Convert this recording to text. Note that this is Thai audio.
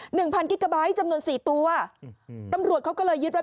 หนึ่งพันกิกาไบท์จำนวนสี่ตัวอืมตำรวจเขาก็เลยยึดว่า